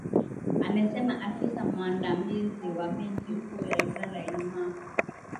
amesema afisa mwandamizi wa benki kuu ya Uganda, Ijumaa